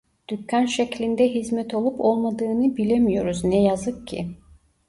Dükkan şeklinde hizmet olup olmadığını bilemiyoruz ne yazık ki